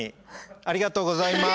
ありがとうございます。